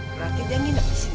berarti dia nginep disini